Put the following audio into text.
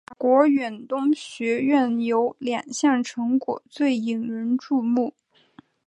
法国远东学院有两项成果最引人注目。